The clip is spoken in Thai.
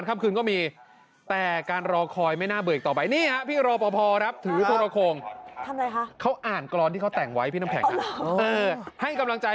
นี่คือไม่ได้มีใครสั่งให้ทำ